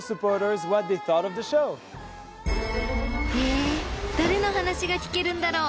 ［え誰の話が聞けるんだろう］